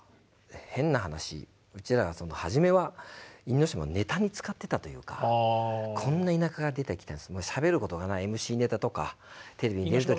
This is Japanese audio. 変な話うちらは初めは因島をネタに使ってたというかこんな田舎から出てきたやつもうしゃべることがないＭＣネタとかテレビに出る時の。